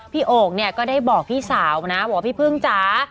โอ่งเนี่ยก็ได้บอกพี่สาวนะบอกว่าพี่พึ่งจ๋า